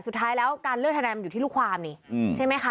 สุดท้ายแล้วการเลือกทนายมันอยู่ที่ลูกความนี่ใช่ไหมคะ